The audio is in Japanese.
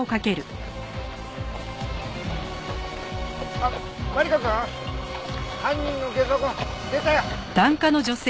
あっマリコくん犯人のゲソ痕出たよ。